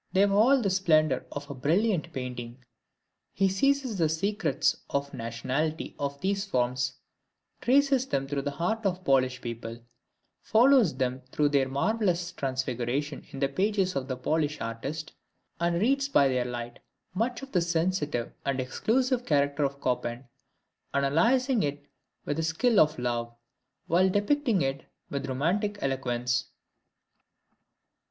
They have all the splendor of a brilliant painting. He seizes the secrets of the nationality of these forms, traces them through the heart of the Polish people, follows them through their marvelous transfiguration in the pages of the Polish artist, and reads by their light much of the sensitive and exclusive character of Chopin, analyzing it with the skill of love, while depicting it with romantic eloquence.